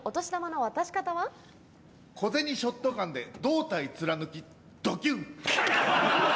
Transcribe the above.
小銭ショットガンで胴体貫きドキュン！